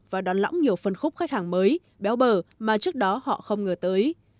và đón lõng nhiều phân khúc khách hàng mới béo bờ mà trước đó họ không ngờ tới